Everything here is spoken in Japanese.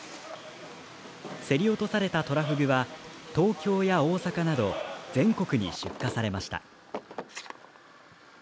競り落とされたトラフグは東京や大阪など全国に出荷されました。